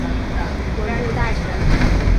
文部大臣。